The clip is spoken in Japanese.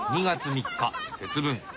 ２月３日節分。